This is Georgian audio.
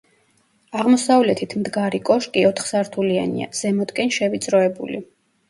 აღმოსავლეთით მდგარი კოშკი ოთხსართულიანია, ზემოთკენ შევიწროებული.